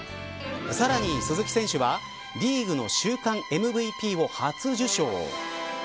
さらに鈴木選手はリーグの週間ＭＶＰを初受賞。